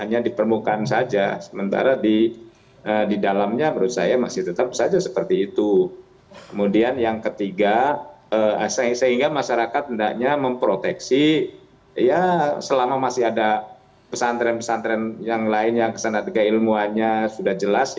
ya selama masih ada pesantren pesantren yang lain yang sangat keilmuannya sudah jelas